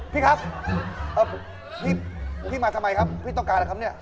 พี่ครับพี่มาทำไมครับพี่ต้องการอะไรครับเนี่ย